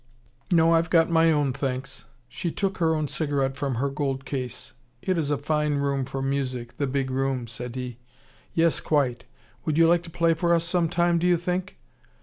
"No, I've got my own, thanks." She took her own cigarette from her gold case. "It is a fine room, for music, the big room," said he. "Yes, quite. Would you like to play for us some time, do you think?"